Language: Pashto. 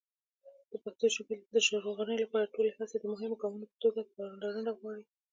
د پښتو د ژغورنې لپاره ټولې هڅې د مهمو ګامونو په توګه پاملرنه غواړي.